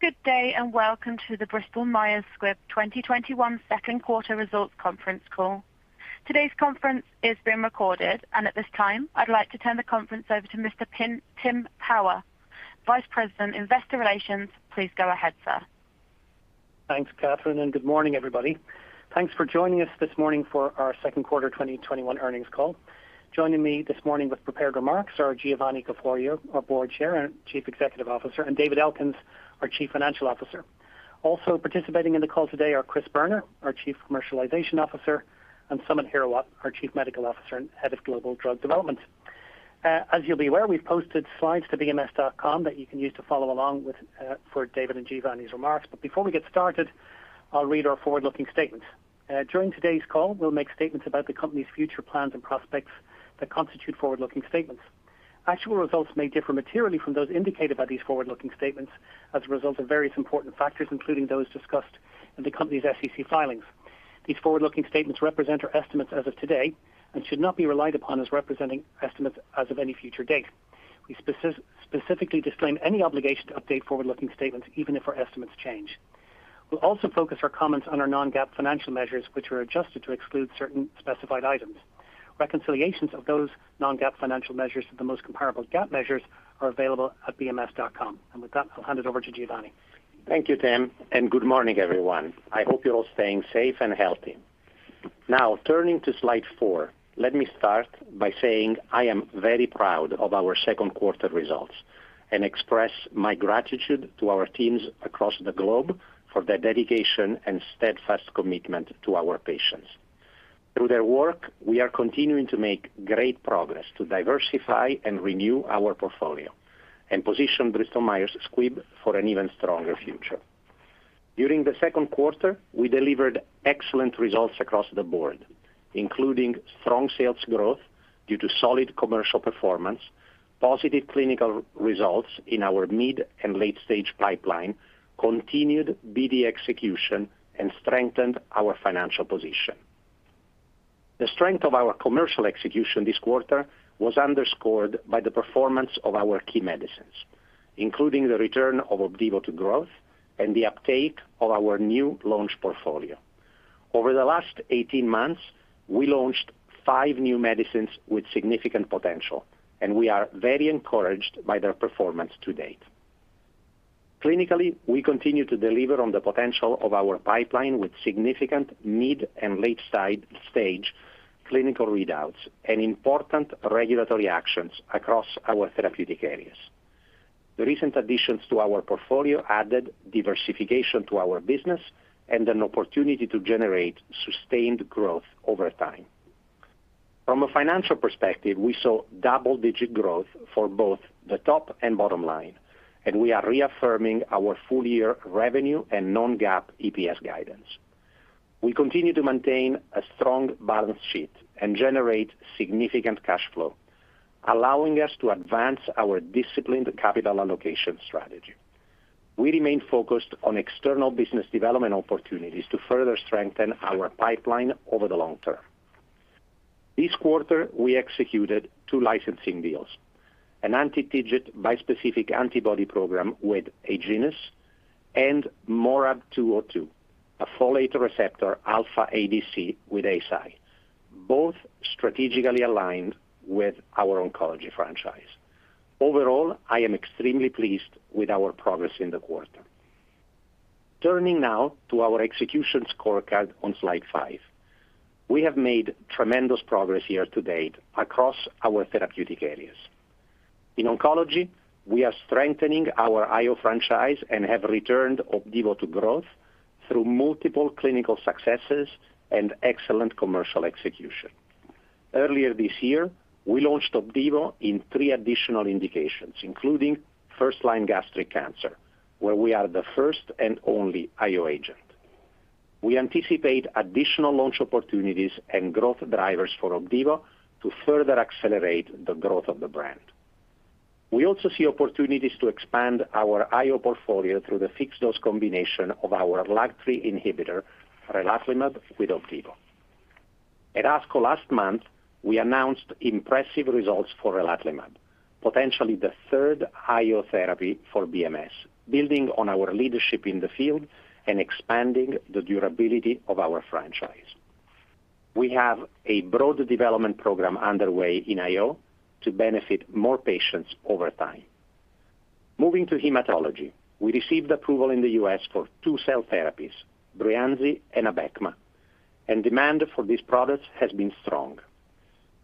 Good day, and welcome to the Bristol-Myers Squibb 2021 second quarter results conference call. Today's conference is being recorded, and at this time, I'd like to turn the conference over to Mr. Tim Power, Vice President, Investor Relations. Please go ahead, sir. Thanks, Catherine. Good morning, everybody. Thanks for joining us this morning for our second quarter 2021 earnings call. Joining me this morning with prepared remarks are Giovanni Caforio, our Board Chair and Chief Executive Officer, and David Elkins, our Chief Financial Officer. Also participating in the call today are Christopher Boerner, our Chief Commercialization Officer, and Samit Hirawat, our Chief Medical Officer and Head of Global Drug Development. As you'll be aware, we've posted slides to bms.com that you can use to follow along with for David and Giovanni's remarks. Before we get started, I'll read our forward-looking statement. During today's call, we'll make statements about the company's future plans and prospects that constitute forward-looking statements. Actual results may differ materially from those indicated by these forward-looking statements as a result of various important factors, including those discussed in the company's SEC filings. These forward-looking statements represent our estimates as of today and should not be relied upon as representing estimates as of any future date. We specifically disclaim any obligation to update forward-looking statements, even if our estimates change. We'll also focus our comments on our non-GAAP financial measures, which are adjusted to exclude certain specified items. Reconciliations of those non-GAAP financial measures to the most comparable GAAP measures are available at bms.com. With that, I'll hand it over to Giovanni. Thank you, Tim, and good morning, everyone. I hope you're all staying safe and healthy. Turning to slide four, let me start by saying I am very proud of our second quarter results and express my gratitude to our teams across the globe for their dedication and steadfast commitment to our patients. Through their work, we are continuing to make great progress to diversify and renew our portfolio and position Bristol-Myers Squibb for an even stronger future. During the second quarter, we delivered excellent results across the board, including strong sales growth due to solid commercial performance, positive clinical results in our mid and late-stage pipeline, continued BD execution, and strengthened our financial position. The strength of our commercial execution this quarter was underscored by the performance of our key medicines, including the return of OPDIVO to growth and the uptake of our new launch portfolio. Over the last 18 months, we launched five new medicines with significant potential, and we are very encouraged by their performance to date. Clinically, we continue to deliver on the potential of our pipeline with significant mid and late-stage clinical readouts and important regulatory actions across our therapeutic areas. The recent additions to our portfolio added diversification to our business and an opportunity to generate sustained growth over time. From a financial perspective, we saw double-digit growth for both the top and bottom line, and we are reaffirming our full-year revenue and non-GAAP EPS guidance. We continue to maintain a strong balance sheet and generate significant cash flow, allowing us to advance our disciplined capital allocation strategy. We remain focused on external business development opportunities to further strengthen our pipeline over the long term. This quarter, we executed two licensing deals, an anti-TIGIT bispecific antibody program with Agenus and MORAb-202, a folate receptor alpha ADC with Eisai, both strategically aligned with our oncology franchise. Overall, I am extremely pleased with our progress in the quarter. Turning now to our execution scorecard on slide five. We have made tremendous progress year-to-date across our therapeutic areas. In oncology, we are strengthening our IO franchise and have returned OPDIVO to growth through multiple clinical successes and excellent commercial execution. Earlier this year, we launched OPDIVO in three additional indications, including first-line gastric cancer, where we are the first and only IO agent. We anticipate additional launch opportunities and growth drivers for OPDIVO to further accelerate the growth of the brand. We also see opportunities to expand our IO portfolio through the fixed-dose combination of our LAG-3 inhibitor, relatlimab with OPDIVO. At ASCO last month, we announced impressive results for relatlimab, potentially the third IO therapy for BMS, building on our leadership in the field and expanding the durability of our franchise. We have a broad development program underway in IO to benefit more patients over time. Moving to hematology. We received approval in the U.S. for two cell therapies, BREYANZI and ABECMA. Demand for these products has been strong.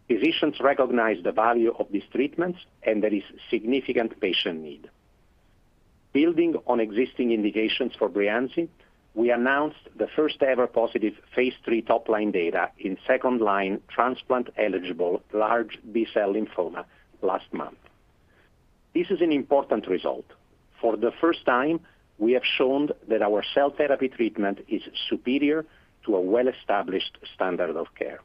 Physicians recognize the value of these treatments. There is significant patient need. Building on existing indications for BREYANZI, we announced the first-ever positive phase III top-line data in second-line transplant-eligible large B-cell lymphoma last month. This is an important result. For the first time, we have shown that our cell therapy treatment is superior to a well-established standard of care.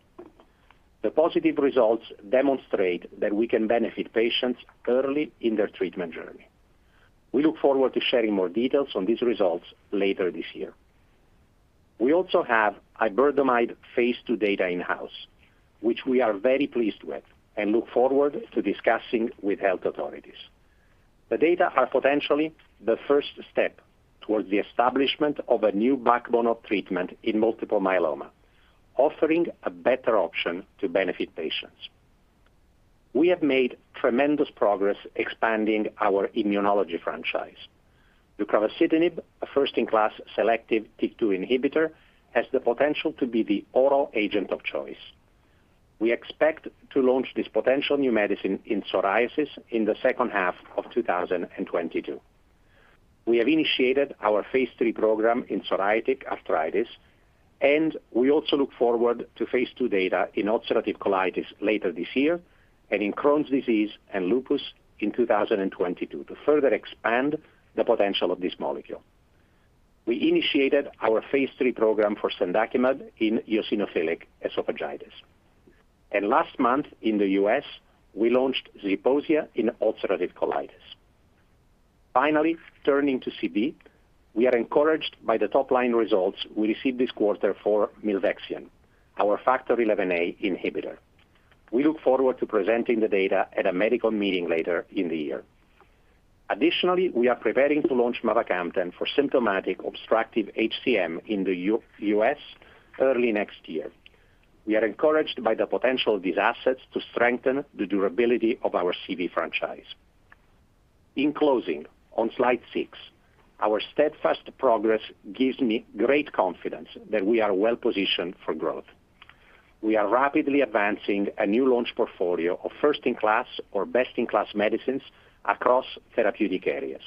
The positive results demonstrate that we can benefit patients early in their treatment journey. We look forward to sharing more details on these results later this year. We also have iberdomide phase II data in-house, which we are very pleased with and look forward to discussing with health authorities. The data are potentially the first step towards the establishment of a new backbone of treatment in multiple myeloma, offering a better option to benefit patients. We have made tremendous progress expanding our immunology franchise. Deucravacitinib, a first-in-class selective TYK2 inhibitor, has the potential to be the oral agent of choice. We expect to launch this potential new medicine in psoriasis in the second half of 2022. We have initiated our phase III program in psoriatic arthritis, and we also look forward to phase II data in ulcerative colitis later this year, and in Crohn's disease and lupus in 2022 to further expand the potential of this molecule. We initiated our phase III program for cendakimab in eosinophilic esophagitis. Last month in the U.S., we launched Zeposia in ulcerative colitis. Turning to CV, we are encouraged by the top-line results we received this quarter for milvexian, our factor XIa inhibitor. We look forward to presenting the data at a medical meeting later in the year. We are preparing to launch mavacamten for symptomatic obstructive HCM in the U.S. early next year. We are encouraged by the potential of these assets to strengthen the durability of our CV franchise. On slide six, our steadfast progress gives me great confidence that we are well-positioned for growth. We are rapidly advancing a new launch portfolio of first-in-class or best-in-class medicines across therapeutic areas.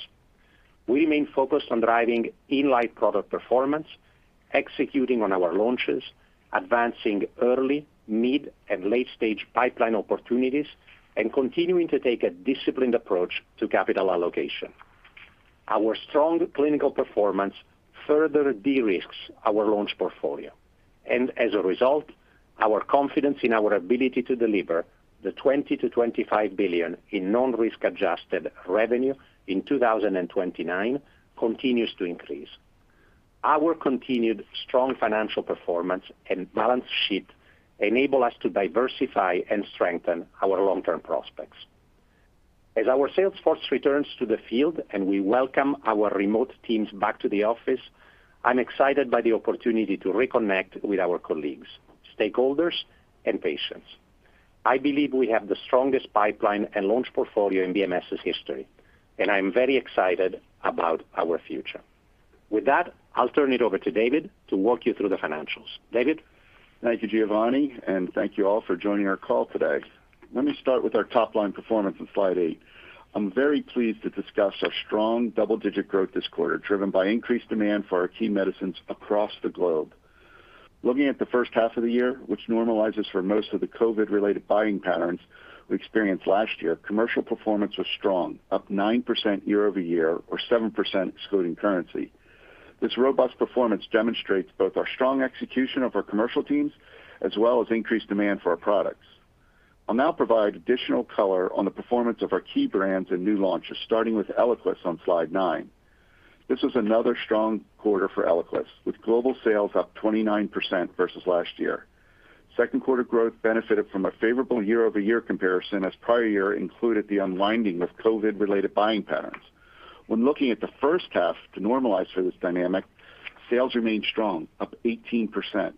We remain focused on driving in-life product performance, executing on our launches, advancing early, mid, and late-stage pipeline opportunities, and continuing to take a disciplined approach to capital allocation. Our strong clinical performance further de-risks our launch portfolio. As a result, our confidence in our ability to deliver the $20 billion-$25 billion in non-risk-adjusted revenue in 2029 continues to increase. Our continued strong financial performance and balance sheet enable us to diversify and strengthen our long-term prospects. As our sales force returns to the field and we welcome our remote teams back to the office, I'm excited by the opportunity to reconnect with our colleagues, stakeholders, and patients. I believe we have the strongest pipeline and launch portfolio in BMS's history, and I'm very excited about our future. With that, I'll turn it over to David to walk you through the financials. David? Thank you, Giovanni, and thank you all for joining our call today. Let me start with our top-line performance on slide eight. I'm very pleased to discuss our strong double-digit growth this quarter, driven by increased demand for our key medicines across the globe. Looking at the first half of the year, which normalizes for most of the COVID-related buying patterns we experienced last year, commercial performance was strong, up 9% year-over-year, or 7% excluding currency. This robust performance demonstrates both our strong execution of our commercial teams as well as increased demand for our products. I'll now provide additional color on the performance of our key brands and new launches, starting with Eliquis on slide nine. This was another strong quarter for Eliquis, with global sales up 29% versus last year. Second quarter growth benefited from a favorable year-over-year comparison as prior year included the unwinding of COVID-related buying patterns. When looking at the first half to normalize for this dynamic, sales remained strong, up 18%.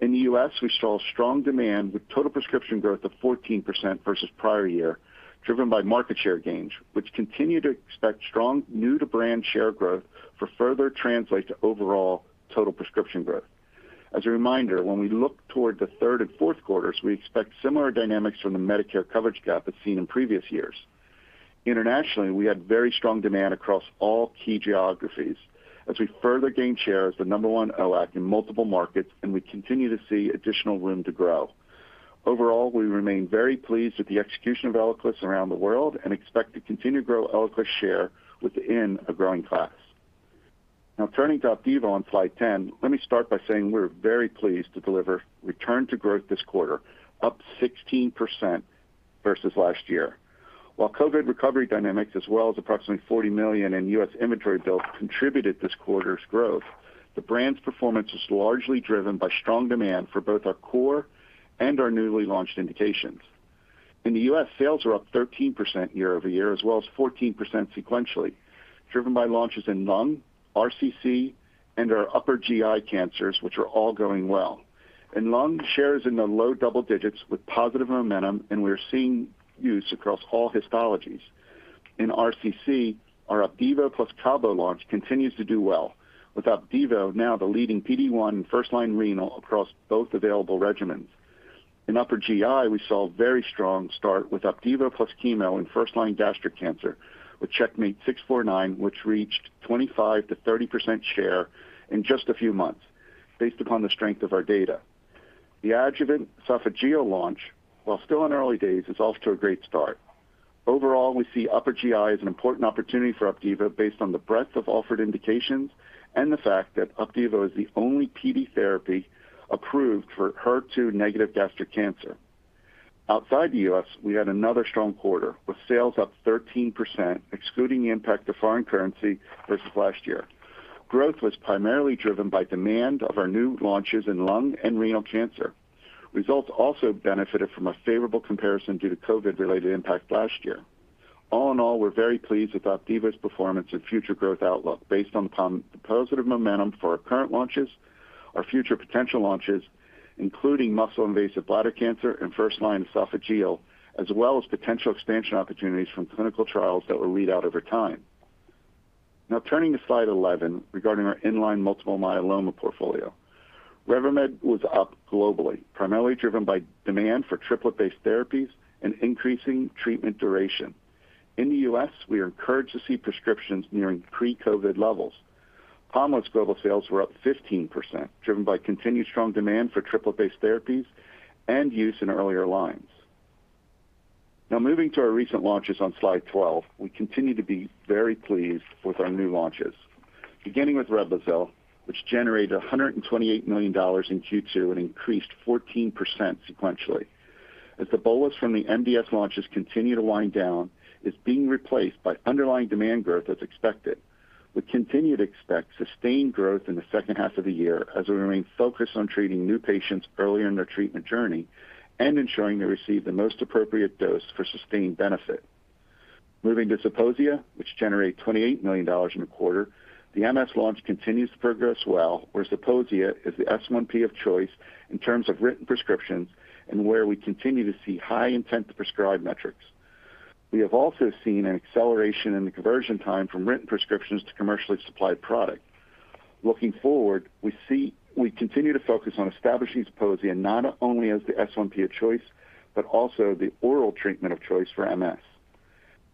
In the U.S., we saw strong demand with total prescription growth of 14% versus prior year, driven by market share gains, which continue to expect strong new-to-brand share growth for further translate to overall total prescription growth. As a reminder, when we look toward the third and fourth quarters, we expect similar dynamics from the Medicare coverage gap as seen in previous years. Internationally, we had very strong demand across all key geographies as we further gained share as the number one NOAC in multiple markets, and we continue to see additional room to grow. Overall, we remain very pleased with the execution of Eliquis around the world and expect to continue to grow Eliquis share within a growing class. Turning to OPDIVO on slide 10, let me start by saying we're very pleased to deliver return to growth this quarter, up 16% versus last year. While COVID recovery dynamics as well as approximately $40 million in U.S. inventory build contributed this quarter's growth, the brand's performance was largely driven by strong demand for both our core and our newly launched indications. In the U.S., sales are up 13% year-over-year as well as 14% sequentially, driven by launches in lung, RCC, and our upper GI cancers, which are all going well. In lung, shares in the low double digits with positive momentum. We're seeing use across all histologies. In RCC, our OPDIVO plus CABOMETYX launch continues to do well with OPDIVO now the leading PD-1 first-line renal across both available regimens. In upper GI, we saw a very strong start with OPDIVO plus chemo in first-line gastric cancer with CheckMate-649, which reached 25%-30% share in just a few months based upon the strength of our data. The adjuvant esophageal launch, while still in early days, is off to a great start. Overall, we see upper GI as an important opportunity for OPDIVO based on the breadth of offered indications and the fact that OPDIVO is the only PD therapy approved for HER2-negative gastric cancer. Outside the U.S., we had another strong quarter with sales up 13%, excluding the impact of foreign currency versus last year. Growth was primarily driven by demand of our new launches in lung and renal cancer. Results also benefited from a favorable comparison due to COVID-related impact last year. All in all, we're very pleased with OPDIVO's performance and future growth outlook based on the positive momentum for our current launches, our future potential launches, including muscle invasive bladder cancer and first-line esophageal, as well as potential expansion opportunities from clinical trials that will read out over time. Now turning to slide 11, regarding our in-line multiple myeloma portfolio. REVLIMID was up globally, primarily driven by demand for triplet-based therapies and increasing treatment duration. In the U.S., we are encouraged to see prescriptions nearing pre-COVID levels. POMALYST global sales were up 15%, driven by continued strong demand for triplet-based therapies and use in earlier lines. Now moving to our recent launches on slide 12. We continue to be very pleased with our new launches. Beginning with REVLIMID, which generated $128 million in Q2 and increased 14% sequentially. As the bolus from the MDS launches continue to wind down, it is being replaced by underlying demand growth as expected. We continue to expect sustained growth in the second half of the year as we remain focused on treating new patients early in their treatment journey and ensuring they receive the most appropriate dose for sustained benefit. Moving to ZEPOSIA, which generated $28 million in the quarter. The MS launch continues to progress well, where ZEPOSIA is the S1P of choice in terms of written prescriptions and where we continue to see high intent to prescribe metrics. We have also seen an acceleration in the conversion time from written prescriptions to commercially supplied product. Looking forward, we continue to focus on establishing ZEPOSIA not only as the S1P of choice, but also the oral treatment of choice for MS.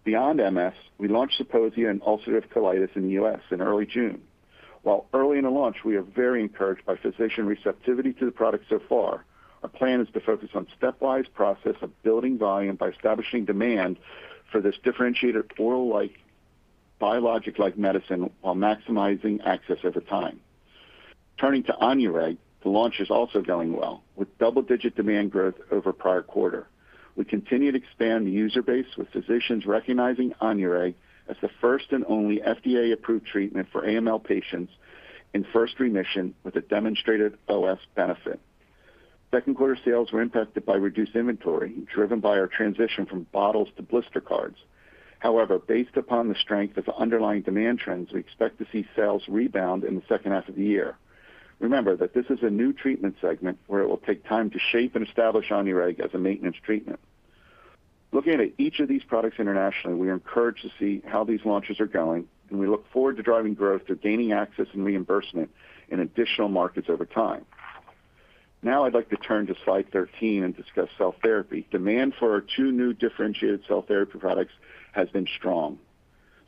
Beyond MS, we launched ZEPOSIA in ulcerative colitis in the U.S. in early June. Early in the launch, we are very encouraged by physician receptivity to the product so far. Our plan is to focus on stepwise process of building volume by establishing demand for this differentiated oral biologic-like medicine while maximizing access over time. Turning to ONUREG, the launch is also going well. With double-digit demand growth over prior quarter. We continue to expand the user base with physicians recognizing ONUREG as the first and only FDA-approved treatment for AML patients in first remission with a demonstrated OS benefit. Second quarter sales were impacted by reduced inventory, driven by our transition from bottles to blister cards. However, based upon the strength of underlying demand trends, we expect to see sales rebound in the second half of the year. Remember that this is a new treatment segment where it will take time to shape and establish ONUREG as a maintenance treatment. Looking at each of these products internationally, we are encouraged to see how these launches are going, and we look forward to driving growth through gaining access and reimbursement in additional markets over time. Now I'd like to turn to slide 13 and discuss cell therapy. Demand for our two new differentiated cell therapy products has been strong.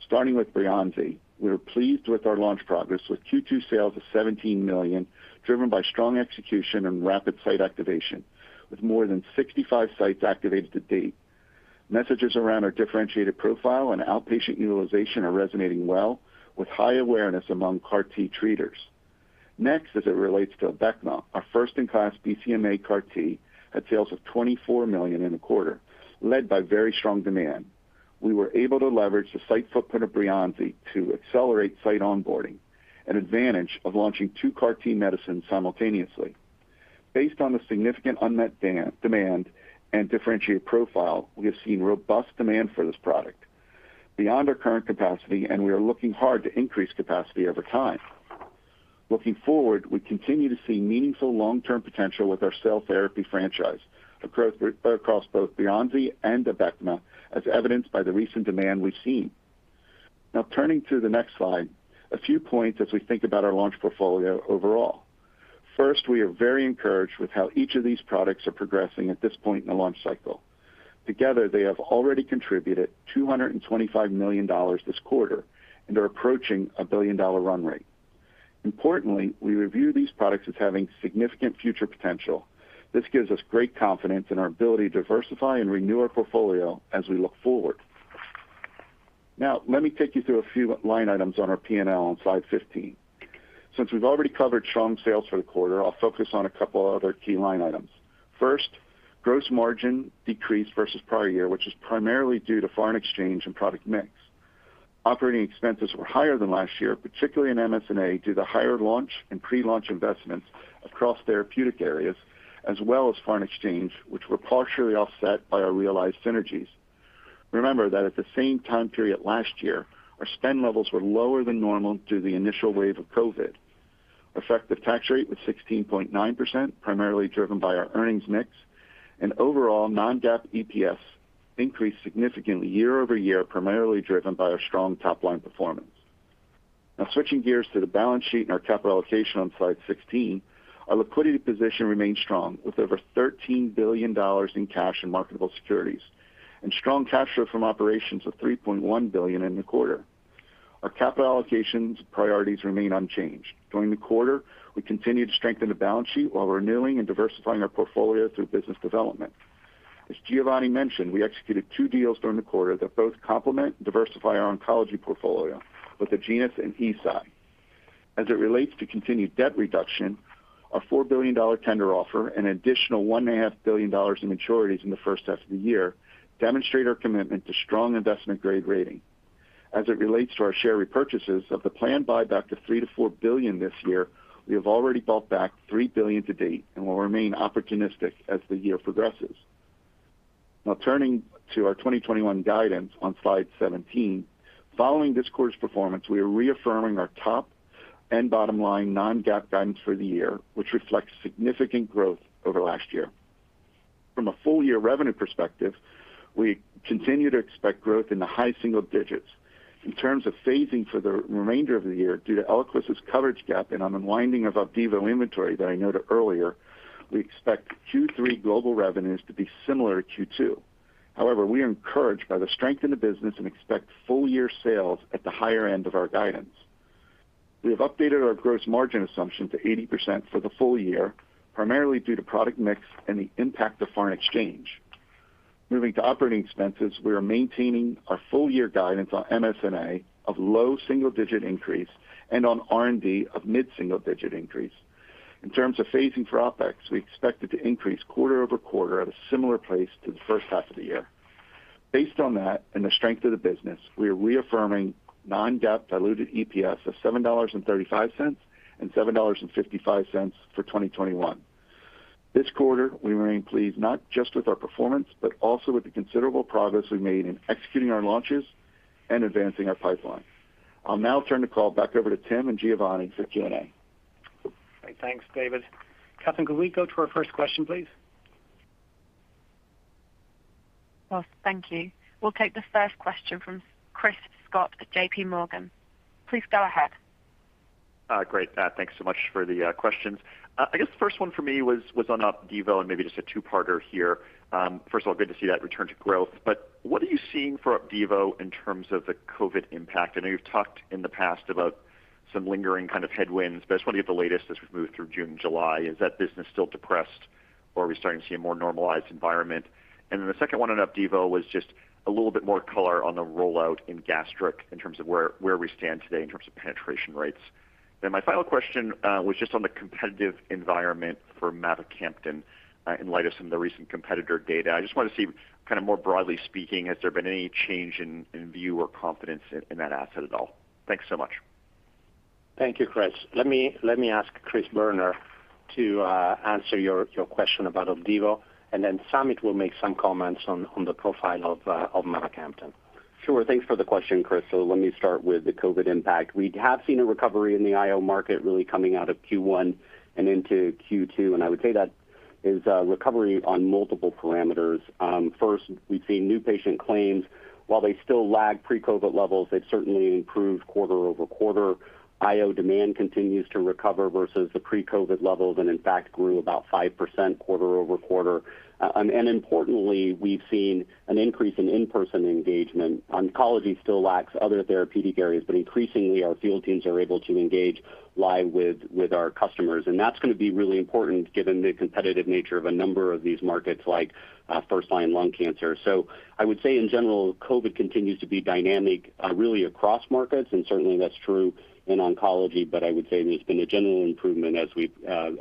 Starting with BREYANZI, we are pleased with our launch progress with Q2 sales of $17 million, driven by strong execution and rapid site activation, with more than 65 sites activated to date. Messages around our differentiated profile and outpatient utilization are resonating well, with high awareness among CAR T treaters. As it relates to ABECMA, our first in class BCMA CAR T, had sales of $24 million in the quarter, led by very strong demand. We were able to leverage the site footprint of BREYANZI to accelerate site onboarding, an advantage of launching two CAR T medicines simultaneously. Based on the significant unmet demand and differentiated profile, we have seen robust demand for this product beyond our current capacity, and we are looking hard to increase capacity over time. We continue to see meaningful long-term potential with our cell therapy franchise across both BREYANZI and ABECMA, as evidenced by the recent demand we've seen. Turning to the next slide. A few points as we think about our launch portfolio overall. First, we are very encouraged with how each of these products are progressing at this point in the launch cycle. Together, they have already contributed $225 million this quarter, and are approaching a billion-dollar run rate. Importantly, we review these products as having significant future potential. This gives us great confidence in our ability to diversify and renew our portfolio as we look forward. Now, let me take you through a few line items on our P&L on slide 15. Since we've already covered strong sales for the quarter, I'll focus on a couple other key line items. First, gross margin decreased versus prior year, which is primarily due to foreign exchange and product mix. Operating expenses were higher than last year, particularly in MS&A, due to higher launch and pre-launch investments across therapeutic areas, as well as foreign exchange, which were partially offset by our realized synergies. Remember that at the same time period last year, our spend levels were lower than normal due to the initial wave of COVID. Effective tax rate was 16.9%, primarily driven by our earnings mix, and overall non-GAAP EPS increased significantly year-over-year, primarily driven by our strong top-line performance. Now switching gears to the balance sheet and our capital allocation on slide 16. Our liquidity position remains strong with over $13 billion in cash and marketable securities, and strong cash flow from operations of $3.1 billion in the quarter. Our capital allocations priorities remain unchanged. During the quarter, we continued to strengthen the balance sheet while renewing and diversifying our portfolio through business development. As Giovanni mentioned, we executed two deals during the quarter that both complement and diversify our oncology portfolio with the Agenus and Eisai. As it relates to continued debt reduction, our $4 billion tender offer, an additional $1.5 billion in maturities in the first half of the year, demonstrate our commitment to strong investment-grade rating. As it relates to our share repurchases of the planned buyback of $3 billion-$4 billion this year, we have already bought back $3 billion to date and will remain opportunistic as the year progresses. Now, turning to our 2021 guidance on slide 17. Following this quarter's performance, we are reaffirming our top and bottom line non-GAAP guidance for the year, which reflects significant growth over last year. From a full-year revenue perspective, we continue to expect growth in the high single digits. In terms of phasing for the remainder of the year due to Eliquis's coverage gap and on unwinding of OPDIVO inventory that I noted earlier, we expect Q3 global revenues to be similar to Q2. However, we are encouraged by the strength in the business and expect full-year sales at the higher end of our guidance. We have updated our gross margin assumption to 80% for the full year, primarily due to product mix and the impact of foreign exchange. Moving to operating expenses, we are maintaining our full-year guidance on MS&A of low single-digit increase and on R&D of mid-single-digit increase. In terms of phasing for OpEx, we expect it to increase quarter-over-quarter at a similar pace to the first half of the year. Based on that and the strength of the business, we are reaffirming non-GAAP diluted EPS of $7.35 and $7.55 for 2021. This quarter, we remain pleased not just with our performance, but also with the considerable progress we've made in executing our launches and advancing our pipeline. I'll now turn the call back over to Tim and Giovanni for Q&A. Great. Thanks, David. Catherine, could we go to our first question, please? Well, thank you. We'll take the first question from Chris Schott at JPMorgan. Please go ahead. Great. Thanks so much for the questions. I guess the first one for me was on OPDIVO and maybe just a two-parter here. First of all, good to see that return to growth, but what are you seeing for OPDIVO in terms of the COVID impact? I know you've talked in the past about some lingering kind of headwinds, but I just want to get the latest as we've moved through June, July. Is that business still depressed or are we starting to see a more normalized environment? The second one on OPDIVO was just a little bit more color on the rollout in gastric in terms of where we stand today in terms of penetration rates. My final question was just on the competitive environment for mavacamten in light of some of the recent competitor data. I just want to see more broadly speaking, has there been any change in view or confidence in that asset at all? Thanks so much. Thank you, Chris. Let me ask Chris Boerner to answer your question about OPDIVO, and then Samit will make some comments on the profile of mavacamten. Sure. Thanks for the question, Chris. Let me start with the COVID impact. We have seen a recovery in the IO market really coming out of Q1 and into Q2. I would say that is a recovery on multiple parameters. First, we've seen new patient claims. While they still lag pre-COVID levels, they've certainly improved quarter-over-quarter. IO demand continues to recover versus the pre-COVID levels. In fact, grew about 5% quarter-over-quarter. Importantly, we've seen an increase in in-person engagement. Oncology still lacks other therapeutic areas. Increasingly our field teams are able to engage live with our customers. That's going to be really important given the competitive nature of a number of these markets like first-line lung cancer. I would say in general, COVID continues to be dynamic really across markets, and certainly that's true in oncology, but I would say there's been a general improvement as we've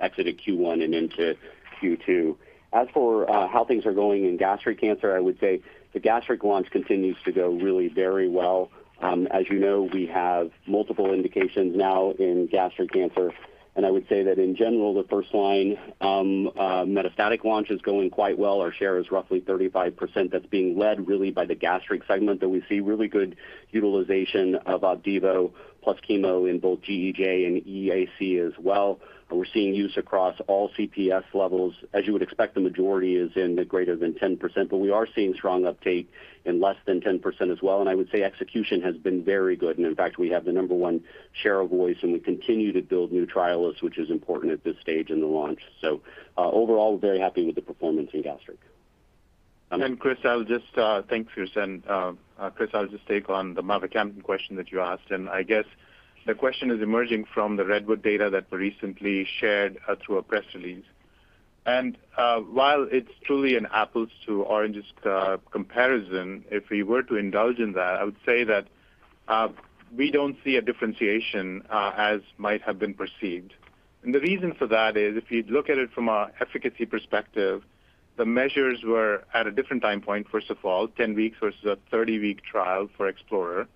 exited Q1 and into Q2. As for how things are going in gastric cancer, I would say the gastric launch continues to go really very well. As you know, we have multiple indications now in gastric cancer, and I would say that in general, the first-line metastatic launch is going quite well. Our share is roughly 35%. That's being led really by the gastric segment that we see really good utilization of OPDIVO plus chemo in both GEJ and EAC as well. We're seeing use across all CPS levels. As you would expect, the majority is in the greater than 10%, but we are seeing strong uptake in less than 10% as well, and I would say execution has been very good. In fact, we have the number one share of voice, and we continue to build new trialists, which is important at this stage in the launch. Overall, very happy with the performance in gastric. Thank, Chris. Chris, I'll just take on the mavacamten question that you asked, and I guess the question is emerging from the REDWOOD data that recently shared through a press release. While it's truly an apples-to-oranges comparison, if we were to indulge in that, I would say that we don't see a differentiation as might have been perceived. The reason for that is if you look at it from an efficacy perspective, the measures were at a different time point, first of all, 10 weeks versus a 30-week trial for EXPLORER.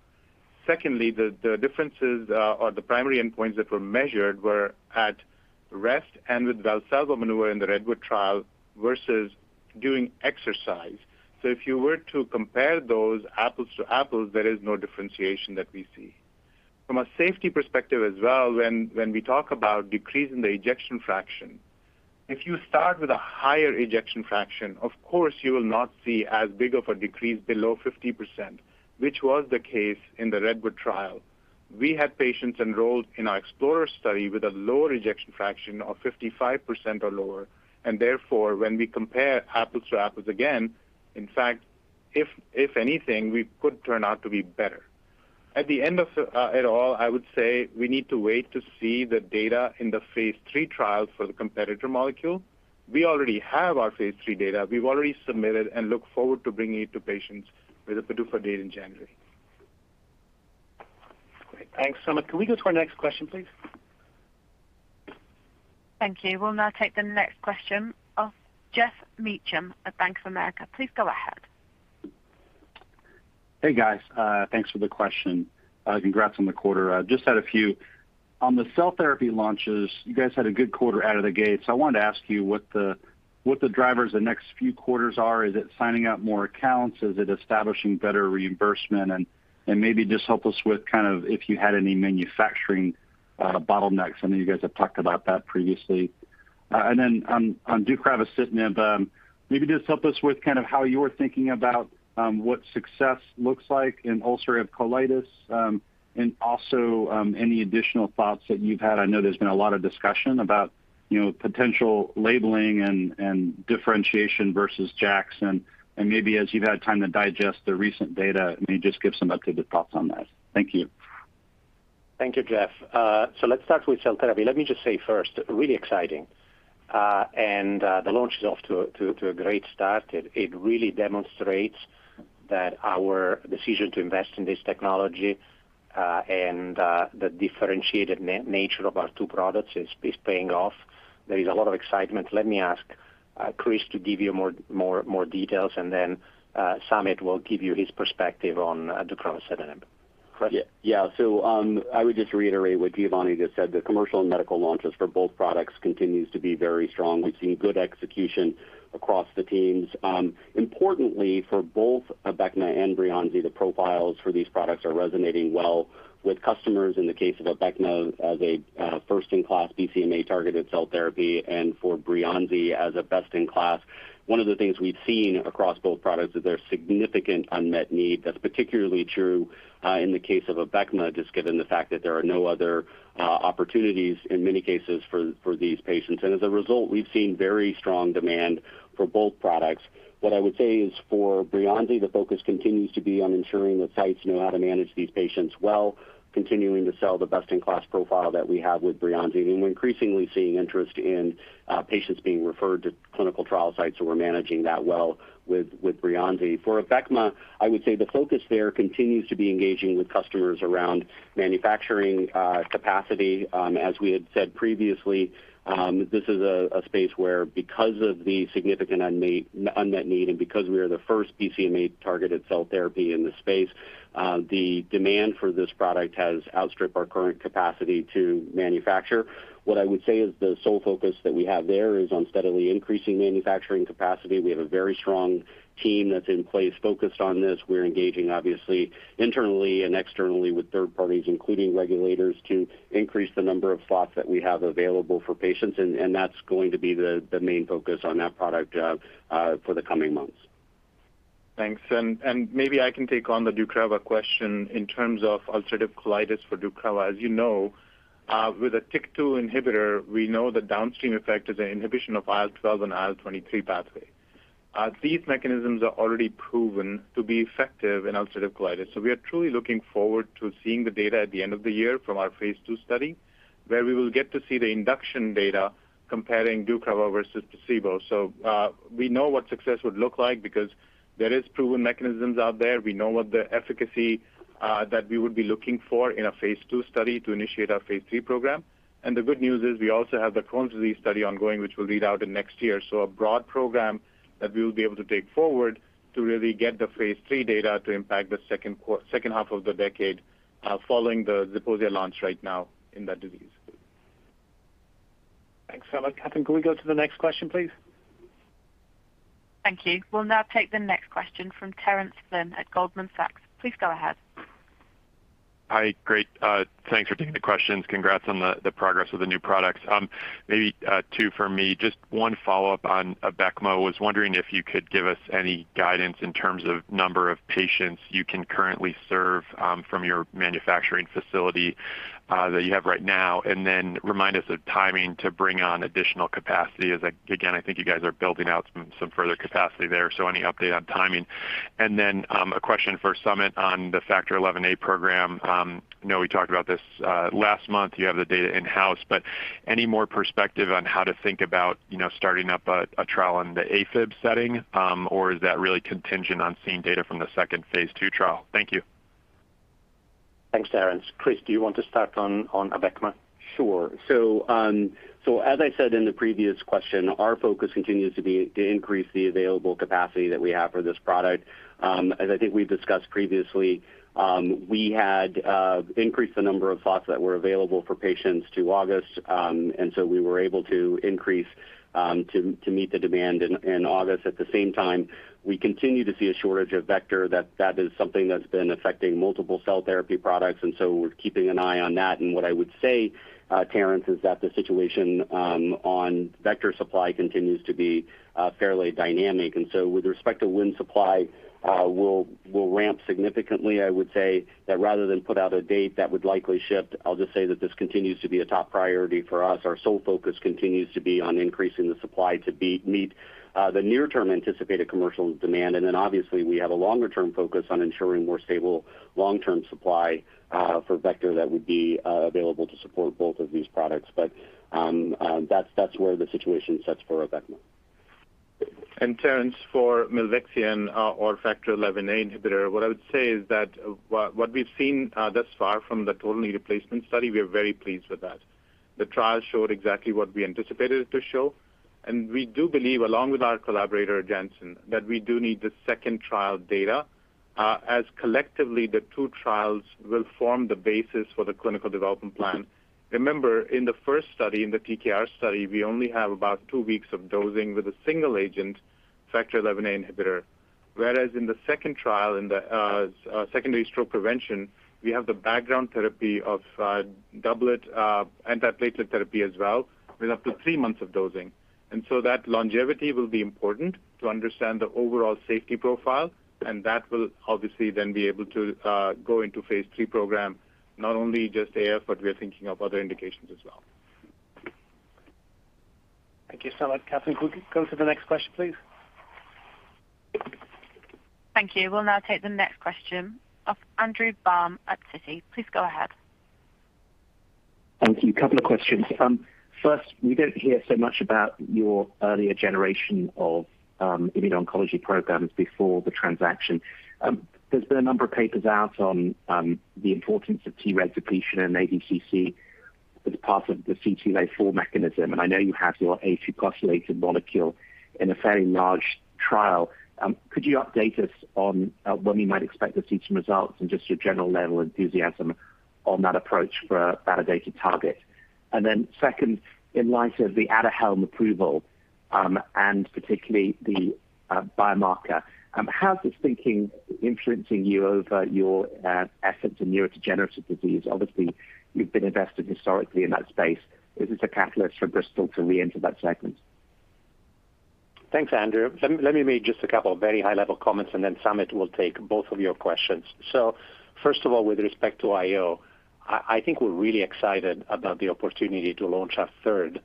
Secondly, the differences or the primary endpoints that were measured were at rest and with Valsalva maneuver in the REDWOOD trial versus doing exercise. If you were to compare those apples to apples, there is no differentiation that we see. From a safety perspective as well, when we talk about decreasing the ejection fraction, if you start with a higher ejection fraction, of course, you will not see as big of a decrease below 50%, which was the case in the REDWOOD trial. We had patients enrolled in our EXPLORER study with a lower ejection fraction of 55% or lower. Therefore, when we compare apples to apples again, in fact, if anything, we could turn out to be better. At the end of it all, I would say we need to wait to see the data in the phase III trials for the competitor molecule. We already have our phase III data. We've already submitted and look forward to bringing it to patients with a PDUFA date in January. Great. Thanks. Samit, can we go to our next question, please? Thank you. We'll now take the next question of Geoff Meacham at Bank of America. Please go ahead. Hey, guys. Thanks for the question. Congrats on the quarter. Just had a few. On the cell therapy launches, you guys had a good quarter out of the gate, so I wanted to ask you what the drivers the next few quarters are. Is it signing up more accounts? Is it establishing better reimbursement? Maybe just help us with if you had any manufacturing bottlenecks. I know you guys have talked about that previously. Then on deucravacitinib, maybe just help us with how you're thinking about what success looks like in ulcerative colitis. Also, any additional thoughts that you've had. I know there's been a lot of discussion about potential labeling and differentiation versus JAKs. Maybe as you've had time to digest the recent data, maybe just give some updated thoughts on that. Thank you. Thank you, Geoff. Let's start with cell therapy. Let me just say first, really exciting. The launch is off to a great start. It really demonstrates that our decision to invest in this technology, and the differentiated nature of our two products is paying off. There is a lot of excitement. Let me ask Chris to give you more details, and then Samit will give you his perspective on deucravacitinib. Chris? Yeah. I would just reiterate what Giovanni just said. The commercial and medical launches for both products continues to be very strong. We've seen good execution across the teams. Importantly, for both ABECMA and BREYANZI, the profiles for these products are resonating well with customers in the case of ABECMA as a first-in-class BCMA-targeted cell therapy, and for BREYANZI as a best-in-class. One of the things we've seen across both products is their significant unmet need. That's particularly true in the case of ABECMA, just given the fact that there are no other opportunities in many cases for these patients. As a result, we've seen very strong demand for both products. What I would say is for BREYANZI, the focus continues to be on ensuring that sites know how to manage these patients well, continuing to sell the best-in-class profile that we have with BREYANZI. We're increasingly seeing interest in patients being referred to clinical trial sites, so we're managing that well with BREYANZI. For ABECMA, I would say the focus there continues to be engaging with customers around manufacturing capacity. As we had said previously, this is a space where, because of the significant unmet need and because we are the first BCMA-targeted cell therapy in the space, the demand for this product has outstripped our current capacity to manufacture. What I would say is the sole focus that we have there is on steadily increasing manufacturing capacity. We have a very strong team that's in place focused on this. We're engaging, obviously, internally and externally with third parties, including regulators, to increase the number of slots that we have available for patients. That's going to be the main focus on that product for the coming months. Thanks. Maybe I can take on the deucravacitinib question in terms of ulcerative colitis for deucravacitinib. As you know, with a TYK2 inhibitor, we know the downstream effect is an inhibition of IL-12 and IL-23 pathway. These mechanisms are already proven to be effective in ulcerative colitis. We are truly looking forward to seeing the data at the end of the year from our phase II study, where we will get to see the induction data comparing deucravacitinib versus placebo. We know what success would look like because there is proven mechanisms out there. We know what the efficacy that we would be looking for in a phase II study to initiate our phase III program. The good news is we also have the Crohn's disease study ongoing, which we'll read out in next year. A broad program that we will be able to take forward to really get the phase III data to impact the second half of the decade, following the ZEPOSIA launch right now in that disease. Thanks, Samit. Catherine, can we go to the next question, please? Thank you. We will now take the next question from Terence Flynn at Goldman Sachs. Please go ahead. Hi. Great. Thanks for taking the questions. Congrats on the progress of the new products. Maybe two for me. Just one follow-up on ABECMA. Was wondering if you could give us any guidance in terms of number of patients you can currently serve from your manufacturing facility that you have right now, and then remind us of timing to bring on additional capacity as, again, I think you guys are building out some further capacity there. Any update on timing. A question for Samit on the factor XIa program. I know we talked about this last month. You have the data in-house, but any more perspective on how to think about starting up a trial in the AFib setting? Is that really contingent on seeing data from the second phase II trial? Thank you. Thanks, Terence. Chris, do you want to start on ABECMA? Sure. As I said in the previous question, our focus continues to be to increase the available capacity that we have for this product. As I think we've discussed previously, we had increased the number of slots that were available for patients to August. We were able to increase to meet the demand in August. At the same time, we continue to see a shortage of vector. That is something that's been affecting multiple cell therapy products, we're keeping an eye on that. What I would say, Terence, is that the situation on vector supply continues to be fairly dynamic. With respect to when supply will ramp significantly, I would say that rather than put out a date that would likely shift, I'll just say that this continues to be a top priority for us. Our sole focus continues to be on increasing the supply to meet the near-term anticipated commercial demand. Then obviously, we have a longer-term focus on ensuring more stable long-term supply for vector that would be available to support both of these products. That's where the situation sits for ABECMA. Terence, for milvexian or factor XIa inhibitor, what I would say is that what we've seen thus far from the total knee replacement study, we are very pleased with that. The trial showed exactly what we anticipated it to show, and we do believe, along with our collaborator, Janssen, that we do need the second trial data, as collectively the two trials will form the basis for the clinical development plan. In the first study, in the TKR study, we only have about two weeks of dosing with a single agent factor XIa inhibitor. In the second trial, in the secondary stroke prevention, we have the background therapy of doublet antiplatelet therapy as well, with up to three months of dosing. That longevity will be important to understand the overall safety profile, and that will obviously then be able to go into phase III program, not only just AF, but we are thinking of other indications as well. Thank you. Samit, Catherine, could we go to the next question, please? Thank you. We will now take the next question of Andrew Baum at Citi. Please go ahead. Thank you. Couple of questions. We don't hear so much about your earlier generation of immuno-oncology programs before the transaction. There's been a number of papers out on the importance of T-reg depletion in ADCC as part of the CTLA-4 mechanism, and I know you have your afucosylated molecule in a fairly large trial. Could you update us on when we might expect to see some results and just your general level of enthusiasm on that approach for a validated target? Second, in light of the ADUHELM approval, and particularly the biomarker, how is this thinking influencing you over your efforts in neurodegenerative disease? Obviously, you've been invested historically in that space. Is this a catalyst for Bristol to re-enter that segment? Thanks, Andrew. Let me make just a couple of very high-level comments and Samit will take both of your questions. First of all, with respect to IO, I think we're really excited about the opportunity to launch our third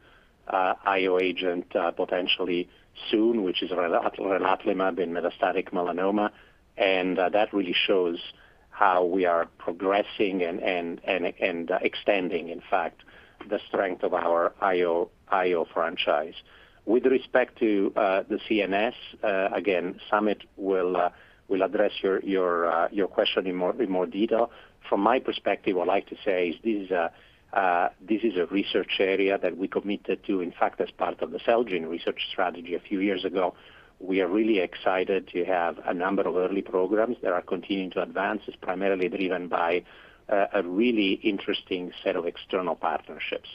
IO agent potentially soon, which is relatlimab in metastatic melanoma. That really shows how we are progressing and extending, in fact, the strength of our IO franchise. With respect to the CNS, again, Samit will address your question in more detail. From my perspective, what I'd like to say is this is a research area that we committed to, in fact, as part of the Celgene research strategy a few years ago. We are really excited to have a number of early programs that are continuing to advance. It's primarily driven by a really interesting set of external partnerships.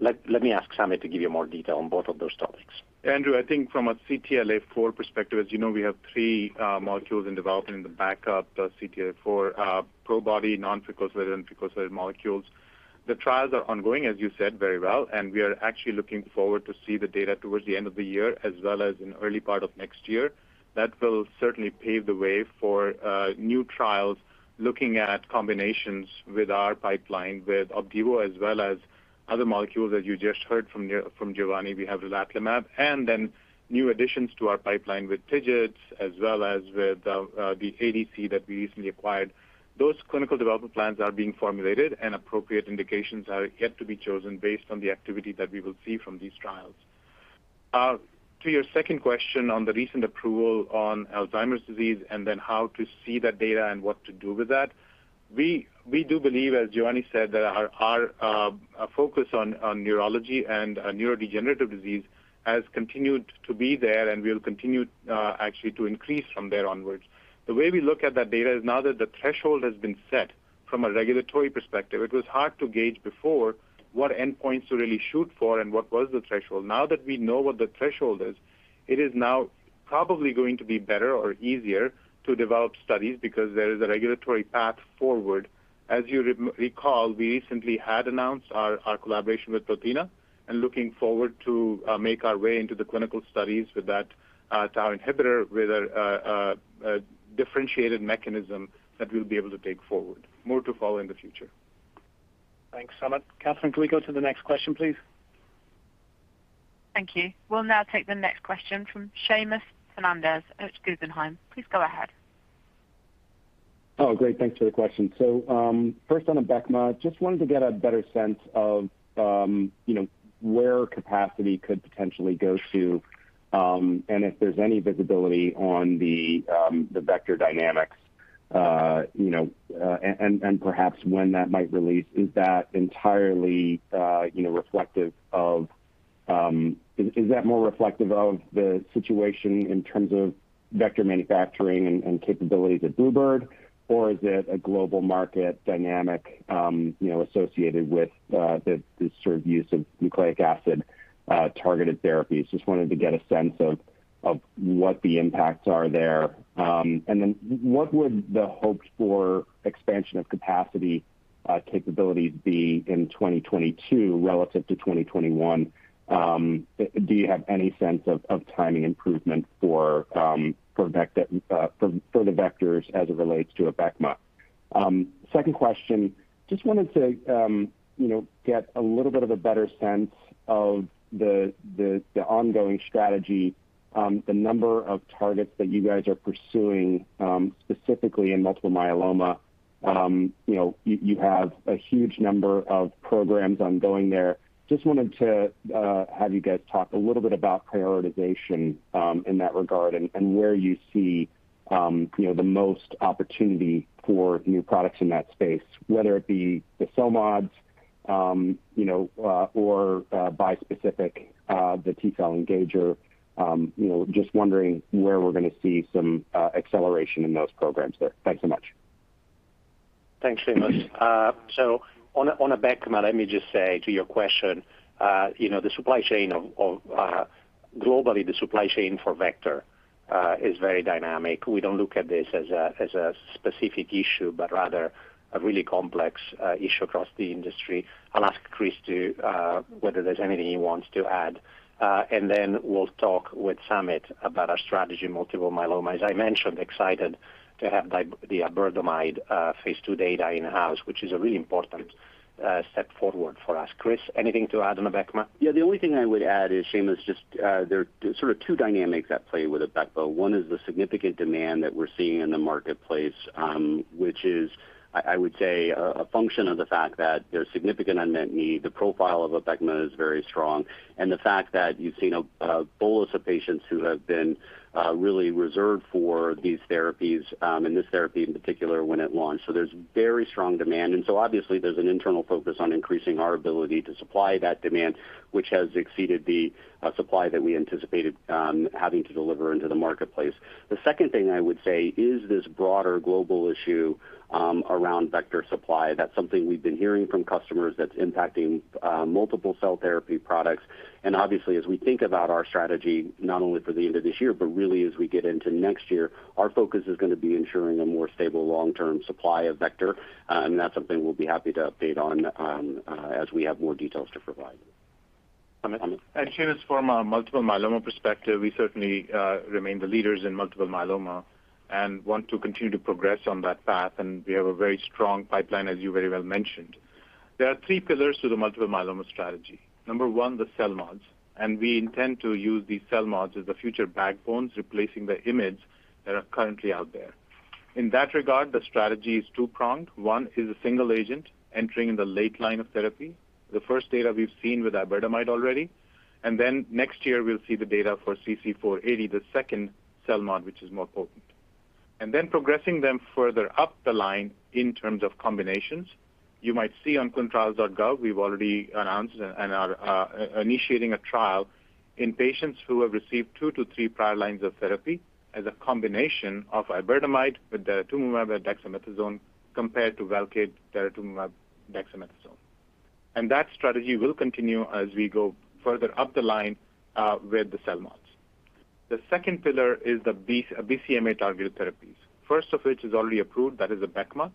Let me ask Samit to give you more detail on both of those topics. Andrew, I think from a CTLA-4 perspective, as you know, we have three molecules in development in the backup CTLA-4 Probody, non-fucosylated and fucosylated molecules. The trials are ongoing, as you said, very well, and we are actually looking forward to see the data towards the end of the year, as well as in early part of next year. That will certainly pave the way for new trials looking at combinations with our pipeline, with OPDIVO as well as other molecules that you just heard from Giovanni. We have relatlimab and then new additions to our pipeline with TIGIT, as well as with the ADC that we recently acquired. Those clinical development plans are being formulated and appropriate indications are yet to be chosen based on the activity that we will see from these trials. To your second question on the recent approval on Alzheimer's disease and then how to see that data and what to do with that, we do believe, as Giovanni said, that our focus on neurology and neurodegenerative disease has continued to be there and will continue actually to increase from there onwards. The way we look at that data is now that the threshold has been set from a regulatory perspective. It was hard to gauge before what endpoints to really shoot for and what was the threshold. Now that we know what the threshold is, it is now probably going to be better or easier to develop studies because there is a regulatory path forward. As you recall, we recently had announced our collaboration with Prothena and looking forward to make our way into the clinical studies with that tau inhibitor with a differentiated mechanism that we'll be able to take forward. More to follow in the future. Thanks, Samit. Catherine, can we go to the next question, please? Thank you. We'll now take the next question from Seamus Fernandez at Guggenheim. Please go ahead. Oh, great. Thanks for the question. First on ABECMA, just wanted to get a better sense of where capacity could potentially go to, and if there's any visibility on the vector dynamics, and perhaps when that might release. Is that more reflective of the situation in terms of vector manufacturing and capabilities at bluebird bio, or is it a global market dynamic associated with this sort of use of nucleic acid-targeted therapies? Just wanted to get a sense of what the impacts are there. What would the hoped-for expansion of capacity capabilities be in 2022 relative to 2021? Do you have any sense of timing improvement for the vectors as it relates to ABECMA? Second question, just wanted to get a little bit of a better sense of the ongoing strategy, the number of targets that you guys are pursuing, specifically in multiple myeloma You have a huge number of programs ongoing there. Just wanted to have you guys talk a little bit about prioritization in that regard, and where you see the most opportunity for new products in that space, whether it be the CELMoDs or bispecific, the T-cell engager. Just wondering where we're going to see some acceleration in those programs there. Thanks so much. Thanks, Seamus. On ABECMA, let me just say to your question, globally, the supply chain for vector is very dynamic. We don't look at this as a specific issue, but rather a really complex issue across the industry. I'll ask Chris whether there's anything he wants to add. Then we'll talk with Samit about our strategy in multiple myeloma. As I mentioned, excited to have the iberdomide phase II data in-house, which is a really important step forward for us. Christopher, anything to add on ABECMA? Yeah. The only thing I would add is, Seamus, just there are two dynamics at play with ABECMA. One is the significant demand that we're seeing in the marketplace, which is, I would say, a function of the fact that there's significant unmet need. The profile of ABECMA is very strong, and the fact that you've seen a bolus of patients who have been really reserved for these therapies, and this therapy in particular, when it launched. There's very strong demand. Obviously there's an internal focus on increasing our ability to supply that demand, which has exceeded the supply that we anticipated having to deliver into the marketplace. The second thing I would say is this broader global issue around vector supply. That's something we've been hearing from customers that's impacting multiple cell therapy products. Obviously, as we think about our strategy, not only for the end of this year, but really as we get into next year, our focus is going to be ensuring a more stable long-term supply of vector. That's something we'll be happy to update on as we have more details to provide. Samit? Seamus, from a multiple myeloma perspective, we certainly remain the leaders in multiple myeloma and want to continue to progress on that path, and we have a very strong pipeline, as you very well mentioned. There are three pillars to the multiple myeloma strategy. Number one, the CELMoDs, and we intend to use these CELMoDs as the future backbones, replacing the IMiDs that are currently out there. In that regard, the strategy is two-pronged. One is a single agent entering in the late line of therapy, the first data we've seen with iberdomide already. Next year, we'll see the data for CC-480, the second CELMoD, which is more potent. Progressing them further up the line in terms of combinations. You might see on clinicaltrials.gov, we've already announced and are initiating a trial in patients who have received two to three prior lines of therapy as a combination of iberdomide with daratumumab dexamethasone compared to VELCADE, daratumumab, dexamethasone. That strategy will continue as we go further up the line with the CELMoDs. The second pillar is the BCMA-targeted therapies. First of which is already approved, that is ABECMA.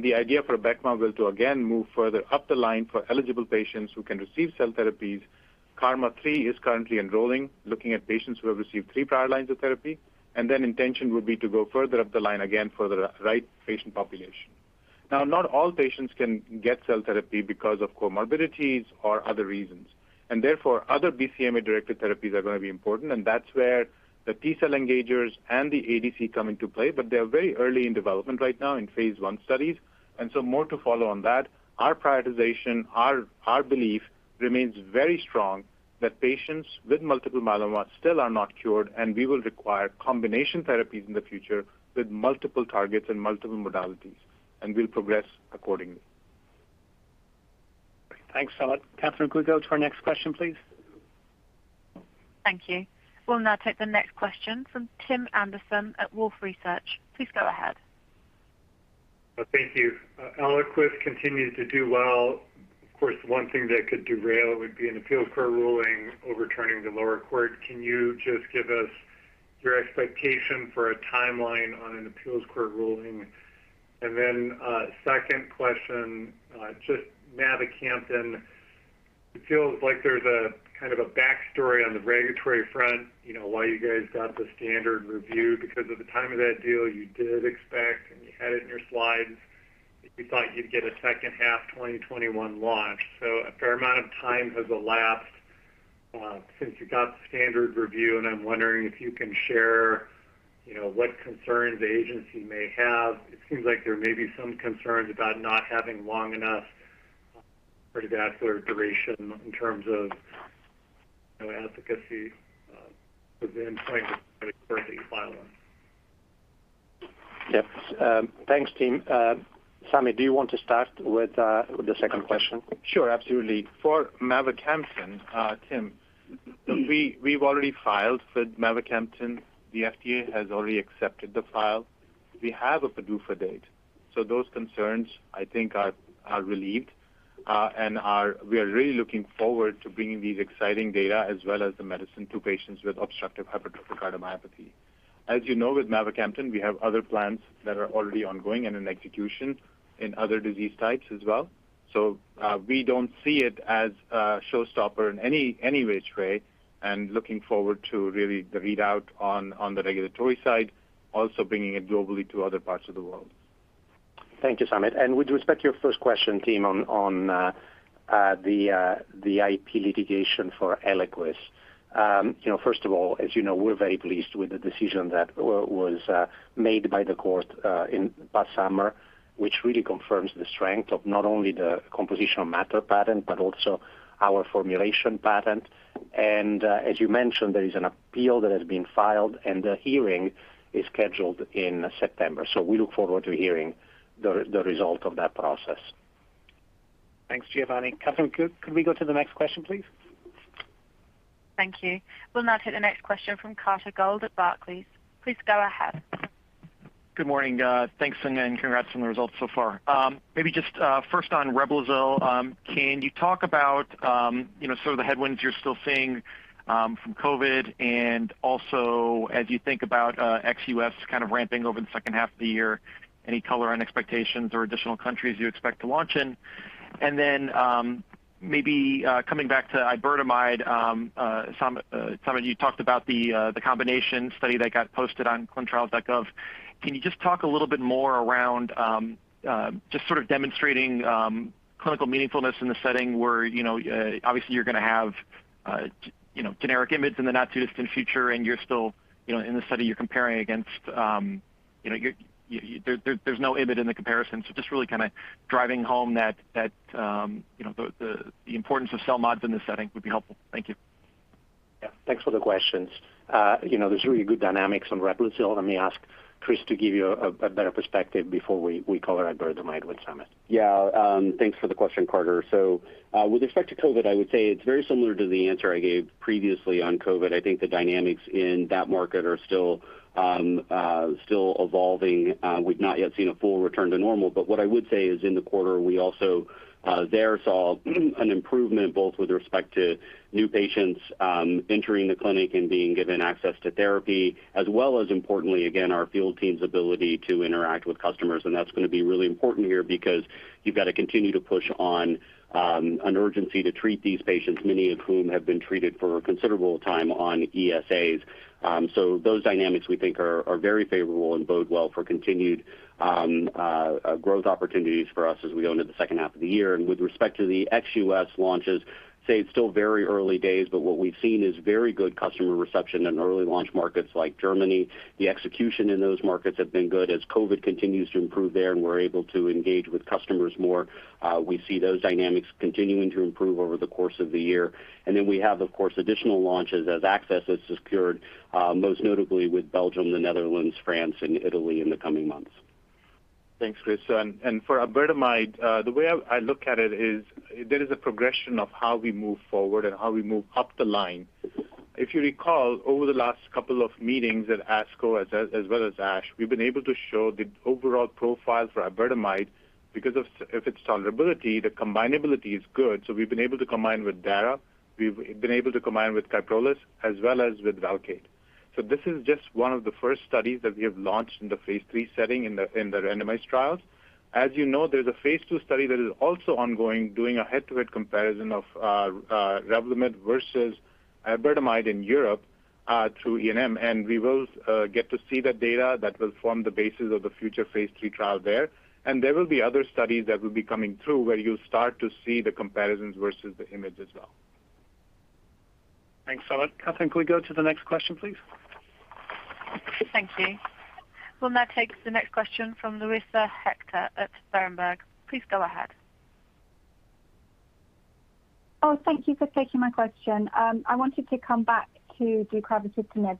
The idea for ABECMA will to again move further up the line for eligible patients who can receive cell therapies. KarMMa-3 is currently enrolling, looking at patients who have received three prior lines of therapy, and then intention would be to go further up the line again for the right patient population. Now, not all patients can get cell therapy because of comorbidities or other reasons. Therefore, other BCMA-directed therapies are going to be important, and that's where the T-cell engagers and the ADC come into play. They are very early in development right now in phase I studies, and so more to follow on that. Our prioritization, our belief remains very strong that patients with multiple myeloma still are not cured, and we will require combination therapies in the future with multiple targets and multiple modalities, and we'll progress accordingly. Thanks, Samit. Catherine, could we go to our next question, please? Thank you. We'll now take the next question from Tim Anderson at Wolfe Research. Please go ahead. Thank you. Eliquis continues to do well. Of course, one thing that could derail it would be an appeals court ruling overturning the lower court. Can you just give us your expectation for a timeline on an appeals court ruling? Second question, just mavacamten. It feels like there's a kind of a backstory on the regulatory front, why you guys got the standard review. At the time of that deal, you did expect, and you had it in your slides, that you thought you'd get a second half 2021 launch. A fair amount of time has elapsed since you got the standard review, and I'm wondering if you can share what concerns the agency may have. It seems like there may be some concerns about not having long enough pretty vascular duration in terms of efficacy. Yep. Thanks, Tim. Samit, do you want to start with the second question? Sure, absolutely. For mavacamten, Tim, we've already filed for mavacamten. The FDA has already accepted the file. We have a PDUFA date. Those concerns, I think, are relieved. We are really looking forward to bringing these exciting data as well as the medicine to patients with obstructive hypertrophic cardiomyopathy. As you know, with mavacamten, we have other plans that are already ongoing and in execution in other disease types as well. We don't see it as a showstopper in any rich way, and looking forward to really the readout on the regulatory side, also bringing it globally to other parts of the world. Thank you, Samit. With respect to your first question, Tim, on. The IP litigation for Eliquis. First of all, as you know, we're very pleased with the decision that was made by the court in past summer, which really confirms the strength of not only the composition of matter patent but also our formulation patent. As you mentioned, there is an appeal that has been filed, and the hearing is scheduled in September. We look forward to hearing the result of that process. Thanks, Giovanni. Catherine, could we go to the next question, please? Thank you. We will now take the next question from Carter Gould at Barclays. Please go ahead. Good morning. Thanks again, and congrats on the results so far. Maybe just first on REBLOZYL, can you talk about some of the headwinds you're still seeing from COVID and also as you think about ex-U.S. kind of ramping over the second half of the year, any color on expectations or additional countries you expect to launch in? Maybe coming back to iberdomide, Samit, you talked about the combination study that got posted on ClinicalTrials.gov. Can you just talk a little bit more around just sort of demonstrating clinical meaningfulness in the setting where obviously you're going to have generic IMiDs in the not-too-distant future, and you're still in the study you're comparing against. There's no IMiD in the comparison. Just really kind of driving home the importance of CELMoDs in this setting would be helpful. Thank you. Thanks for the questions. There's really good dynamics on REBLOZYL. Let me ask Chris to give you a better perspective before we cover iberdomide with Samit. Yeah. Thanks for the question, Carter. With respect to COVID, I would say it's very similar to the answer I gave previously on COVID. I think the dynamics in that market are still evolving. We've not yet seen a full return to normal, but what I would say is in the quarter, we also there saw an improvement both with respect to new patients entering the clinic and being given access to therapy, as well as importantly, again, our field team's ability to interact with customers. That's going to be really important here because you've got to continue to push on an urgency to treat these patients, many of whom have been treated for a considerable time on ESAs. Those dynamics, we think, are very favorable and bode well for continued growth opportunities for us as we go into the second half of the year. With respect to the ex-U.S. launches, I'd say it's still very early days, but what we've seen is very good customer reception in early launch markets like Germany. The execution in those markets has been good as COVID continues to improve there, and we're able to engage with customers more. We see those dynamics continuing to improve over the course of the year. We have, of course, additional launches as access is secured, most notably with Belgium, the Netherlands, France, and Italy in the coming months. Thanks, Chris. For iberdomide, the way I look at it is there is a progression of how we move forward and how we move up the line. If you recall, over the last couple of meetings at ASCO as well as ASH, we've been able to show the overall profile for iberdomide because of its tolerability. The combinability is good, so we've been able to combine with daratumumab, we've been able to combine with KYPROLIS, as well as with VELCADE. This is just one of the first studies that we have launched in the phase III setting in the randomized trials. As you know, there's a phase II study that is also ongoing, doing a head-to-head comparison of REVLIMID versus iberdomide in Europe through EMN. We will get to see the data that will form the basis of the future phase III trial there. There will be other studies that will be coming through where you'll start to see the comparisons versus the IMiD as well. Thanks, Samit. Catherine, can we go to the next question, please? Thank you. We'll now take the next question from Luisa Hector at Berenberg. Please go ahead. Oh, thank you for taking my question. I wanted to come back to deucravacitinib.